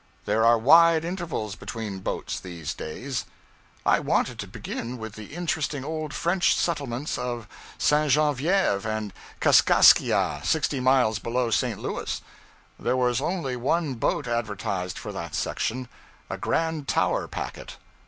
There are wide intervals between boats, these days. I wanted to begin with the interesting old French settlements of St. Genevieve and Kaskaskia, sixty miles below St. Louis. There was only one boat advertised for that section a Grand Tower packet.